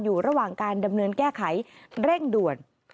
อยู่ระหว่างการดำเนินแก้ไขเร่งด่วน